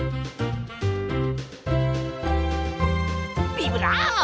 ビブラボ！